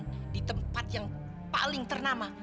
di sekolah di tempat yang paling ternama